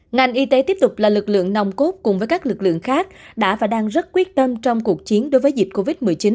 ngành y tế tiếp tục là lực lượng nòng cốt cùng với các lực lượng khác đã và đang rất quyết tâm trong cuộc chiến đối với dịch covid một mươi chín